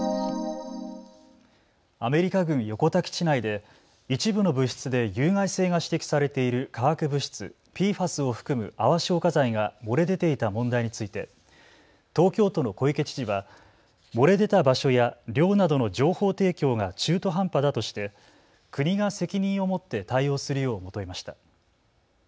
アメリカ軍横田基地内で一部の物質で有害性が指摘されている化学物質、ＰＦＡＳを含む泡消火剤が漏れ出ていた問題について東京都の小池知事は漏れ出た場所や量などの情報提供が中途半端だとして国が責任を持って対応するよう求めました。